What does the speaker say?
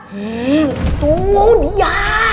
hmm tuh dia